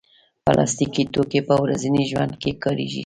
پلاستيکي توکي په ورځني ژوند کې کارېږي.